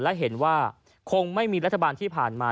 และเห็นว่าคงไม่มีรัฐบาลที่ผ่านมา